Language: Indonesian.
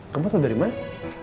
kamu tau dari mana